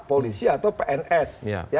polisi atau pns